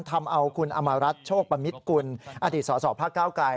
ทำเอาคุณอำมารัฐโชคประมิติคุณอธิษศาสตร์ภาคเก้าไกร